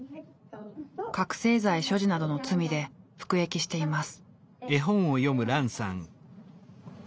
覚醒剤所持などの罪で服役しています。